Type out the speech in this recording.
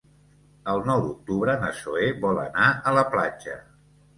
El nou d'octubre na Zoè vol anar a la platja.